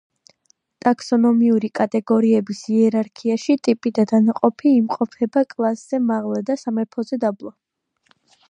ტაქსონომიური კატეგორიების იერარქიაში ტიპი და დანაყოფი იმყოფება კლასზე მაღლა და სამეფოზე დაბლა.